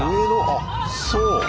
あっそう。